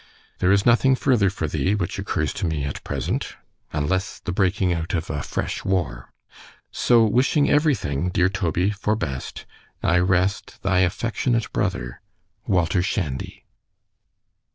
There is nothing further for thee, which occurs to me at present—— ——Unless the breaking out of a fresh war——So wishing every thing, dear Toby, for best, I rest thy affectionate brother, WALTER SHANDY.